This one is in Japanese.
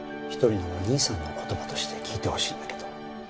一人のお兄さんの言葉として聞いてほしいんだけど